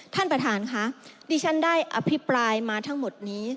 ท่านประธานค่ะที่ฉันได้อภิปรายมาทั้งหมดนี้